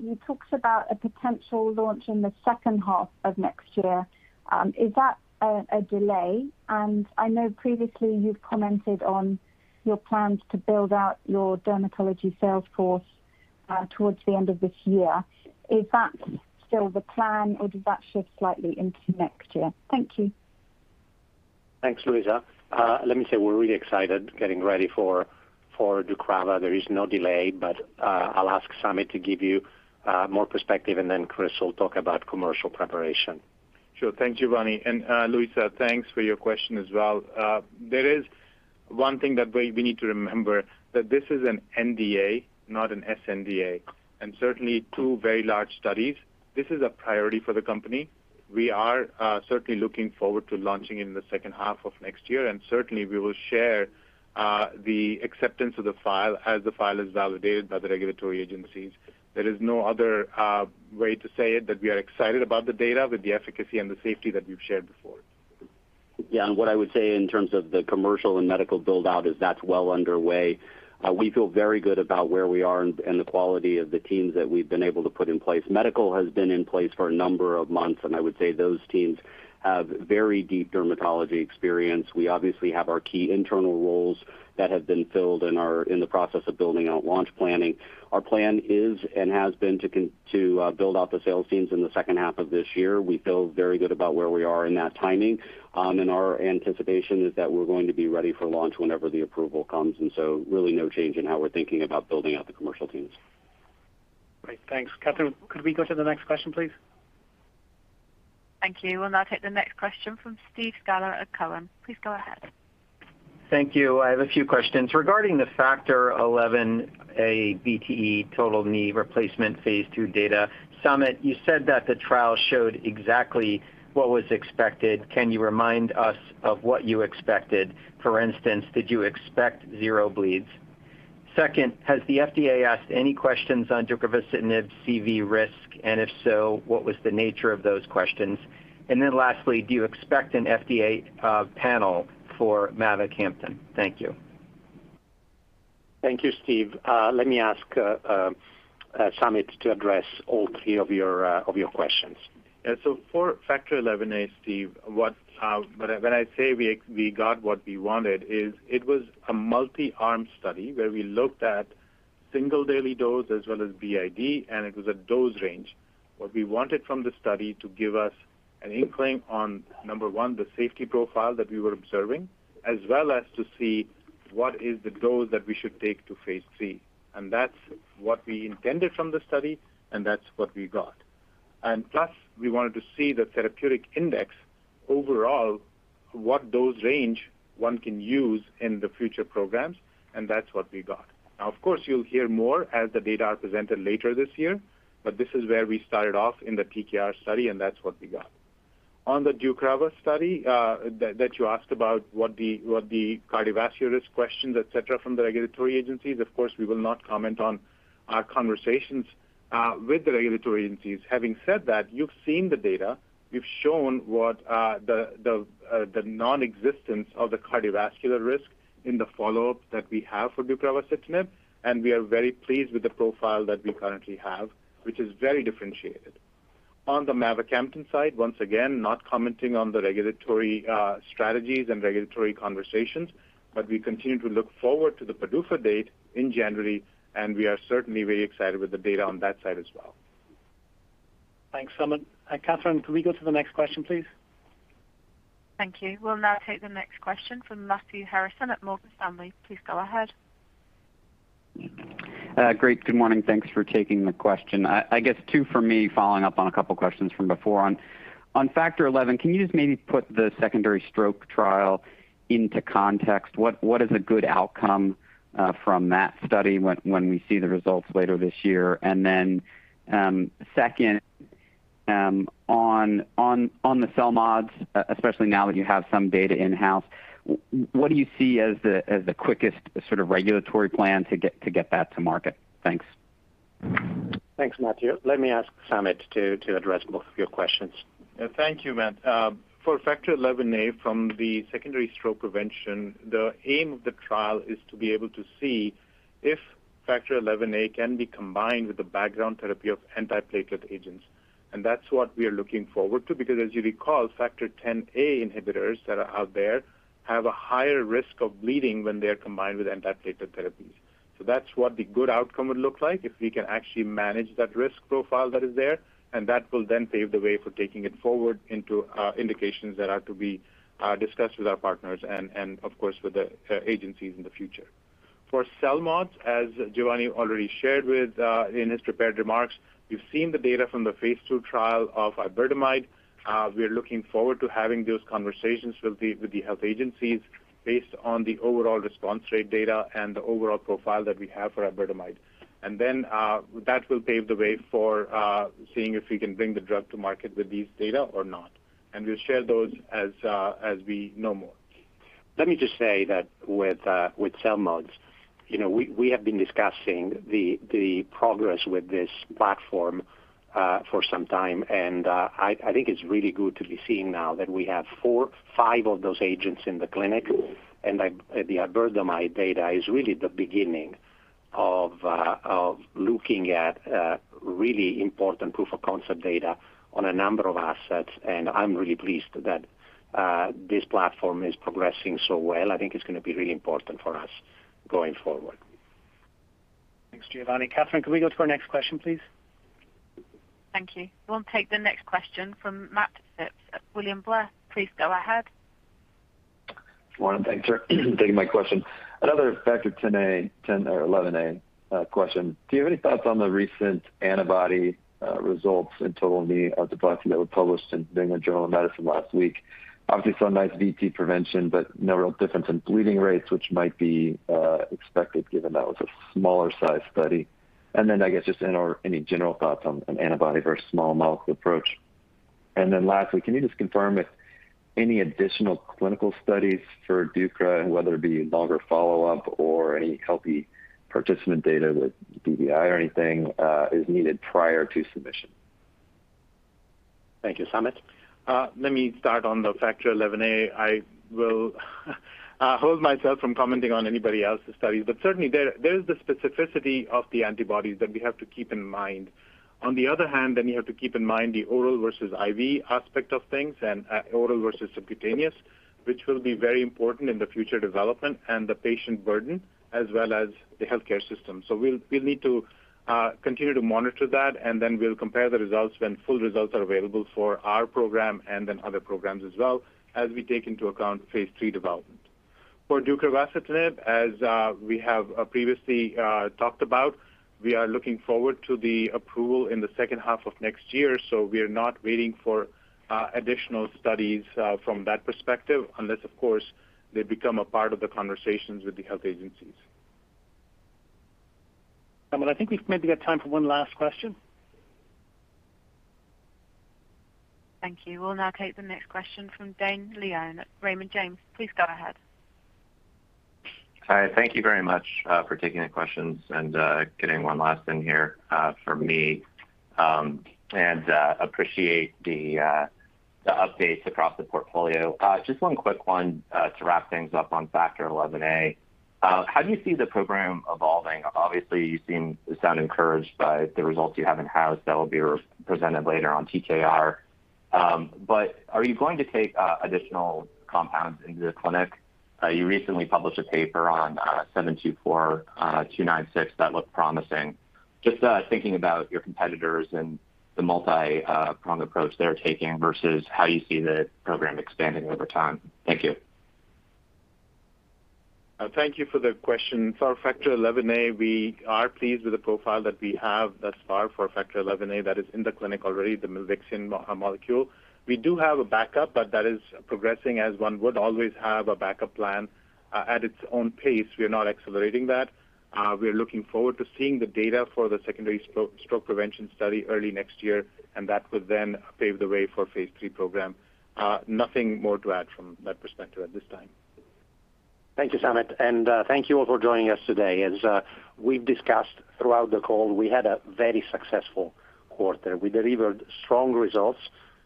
You talked about a potential launch in the second half of next year. Is that a delay? I know previously you've commented on your plans to build out your dermatology sales force towards the end of this year. Is that still the plan, or does that shift slightly into next year? Thank you. Thanks, Luisa. Let me say we're really excited getting ready for Ducrava. There is no delay. I'll ask Samit to give you more perspective, and then Chris will talk about commercial preparation. Sure. Thanks, Giovanni. Luisa, thanks for your question as well. There is one thing that we need to remember that this is an NDA, not an sNDA, and certainly two very large studies. This is a priority for the company. We are certainly looking forward to launching in the second half of next year, and certainly we will share the acceptance of the file as the file is validated by the regulatory agencies. There is no other way to say it that we are excited about the data with the efficacy and the safety that we've shared before. Yeah. What I would say in terms of the commercial and medical build-out is that's well underway. We feel very good about where we are and the quality of the teams that we've been able to put in place. Medical has been in place for a number of months, and I would say those teams have very deep dermatology experience. We obviously have our key internal roles that have been filled and are in the process of building out launch planning. Our plan is and has been to build out the sales teams in the second half of this year. We feel very good about where we are in that timing. Our anticipation is that we're going to be ready for launch whenever the approval comes, and so really no change in how we're thinking about building out the commercial teams. Great. Thanks. Catherine, could we go to the next question, please? Thank you. We'll now take the next question from Steve Scala at Cowen. Please go ahead. Thank you. I have a few questions. Regarding the factor XIa VTE total knee replacement phase II data, Samit, you said that the trial showed exactly what was expected. Can you remind us of what you expected? For instance, did you expect zero bleeds? Second, has the FDA asked any questions on deucravacitinib CV risk? If so, what was the nature of those questions? Lastly, do you expect an FDA panel for mavacamten? Thank you. Thank you, Steve. Let me ask Samit to address all three of your questions. For Factor XIa, Steve, when I say we got what we wanted, it was a multi-arm study where we looked at single daily dose as well as BID, and it was a dose range. What we wanted from the study to give us an inkling on, number one, the safety profile that we were observing, as well as to see what is the dose that we should take to phase III. That's what we intended from the study, and that's what we got. Plus, we wanted to see the therapeutic index overall, what dose range one can use in the future programs, and that's what we got. Of course, you'll hear more as the data are presented later this year, this is where we started off in the PK/PD study, and that's what we got. On the deucravacitinib study, that you asked about what the cardiovascular risk questions, et cetera, from the regulatory agencies, of course, we will not comment on our conversations with the regulatory agencies. Having said that, you've seen the data. We've shown what the non-existence of the cardiovascular risk in the follow-up that we have for deucravacitinib, and we are very pleased with the profile that we currently have, which is very differentiated. On the mavacamten side, once again, not commenting on the regulatory strategies and regulatory conversations, but we continue to look forward to the PDUFA date in January, and we are certainly very excited with the data on that side as well. Thanks, Samit. Catherine, can we go to the next question, please? Thank you. We will now take the next question from Matthew Harrison at Morgan Stanley. Please go ahead. Great. Good morning. Thanks for taking the question. I guess two for me, following up on a couple questions from before. On Factor XI, can you just maybe put the secondary stroke trial into context? What is a good outcome from that study when we see the results later this year? Second, on the CELMoDs, especially now that you have some data in-house, what do you see as the quickest sort of regulatory plan to get that to market? Thanks. Thanks, Matthew. Let me ask Samit to address both of your questions. Thank you, Matt. For Factor XIa from the secondary stroke prevention, the aim of the trial is to be able to see if Factor XIa can be combined with the background therapy of antiplatelet agents. That's what we are looking forward to, because as you recall, Factor Xa inhibitors that are out there have a higher risk of bleeding when they're combined with antiplatelet therapies. That's what the good outcome would look like if we can actually manage that risk profile that is there, and that will then pave the way for taking it forward into indications that are to be discussed with our partners and of course, with the agencies in the future. For CELMoDs, as Giovanni already shared in his prepared remarks, we've seen the data from the phase II trial of iberdomide. We are looking forward to having those conversations with the health agencies based on the overall response rate data and the overall profile that we have for iberdomide. That will pave the way for seeing if we can bring the drug to market with these data or not. We'll share those as we know more. Let me just say that with CELMoDs, we have been discussing the progress with this platform for some time. I think it's really good to be seeing now that we have four, five of those agents in the clinic. The iberdomide data is really the beginning of looking at really important proof-of-concept data on a number of assets. I'm really pleased that this platform is progressing so well. I think it's going to be really important for us going forward. Thanks, Giovanni. Catherine, can we go to our next question, please? Thank you. We'll take the next question from Matt Phipps at William Blair. Please go ahead. Morning. Thanks for taking my question. Another Factor Xa or XIa question. Do you have any thoughts on the recent antibody results in total knee arthroplasty that were published in the New England Journal of Medicine last week? Obviously, some nice VTE prevention, but no real difference in bleeding rates, which might be expected given that was a smaller size study. I guess, just any general thoughts on an antibody versus small molecule approach. Lastly, can you just confirm if any additional clinical studies for deucravacitinib and whether it be longer follow-up or any healthy participant data with DDI or anything, is needed prior to submission? Thank you. Samit? Let me start on the factor XIa. I will hold myself from commenting on anybody else's studies. Certainly, there is the specificity of the antibodies that we have to keep in mind. On the other hand, you have to keep in mind the oral versus IV aspect of things and oral versus subcutaneous, which will be very important in the future development and the patient burden as well as the healthcare system. We'll need to continue to monitor that, we'll compare the results when full results are available for our program and other programs as well as we take into account phase III development. For deucravacitinib, as we have previously talked about, we are looking forward to the approval in the second half of next year. We are not waiting for additional studies from that perspective, unless of course, they become a part of the conversations with the health agencies. Samit, I think we've maybe got time for one last question. Thank you. We'll now take the next question from Dane Leone at Raymond James. Please go ahead. Hi. Thank you very much for taking the questions and getting one last in here for me, and appreciate the updates across the portfolio. One quick one to wrap things up on Factor XIa. How do you see the program evolving? You seem to sound encouraged by the results you have in-house that will be presented later on TKR. Are you going to take additional compounds into the clinic? You recently published a paper on BMS-986177 that looked promising. Thinking about your competitors and the multipronged approach they're taking versus how you see the program expanding over time. Thank you. Thank you for the question. For Factor XIa, we are pleased with the profile that we have thus far for Factor XIa that is in the clinic already, the milvexian molecule. We do have a backup, but that is progressing, as one would always have a backup plan, at its own pace. We are not accelerating that. We are looking forward to seeing the data for the secondary stroke prevention study early next year, and that would then pave the way for phase III program. Nothing more to add from that perspective at this time. Thank you, Samit. Thank you all for joining us today. As we've discussed throughout the call, we had a very successful quarter. We delivered strong results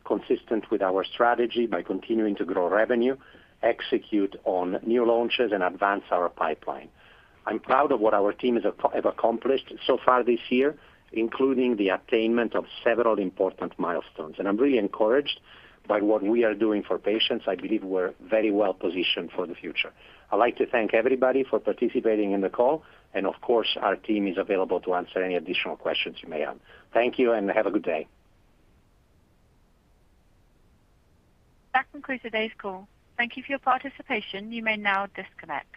consistent with our strategy by continuing to grow revenue, execute on new launches, and advance our pipeline. I'm proud of what our team has accomplished so far this year, including the attainment of several important milestones. I'm really encouraged by what we are doing for patients. I believe we're very well-positioned for the future. I'd like to thank everybody for participating in the call. Of course, our team is available to answer any additional questions you may have. Thank you. Have a good day. That concludes today's call. Thank you for your participation. You may now disconnect.